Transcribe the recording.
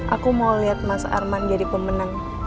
aku mau lihat mas arman jadi pemenang